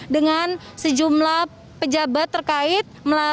dengan sejumlah pejabat terkait